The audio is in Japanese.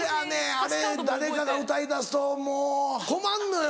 あれ誰かが歌いだすともう困んのよ。